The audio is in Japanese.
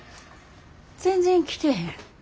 全然来てへん。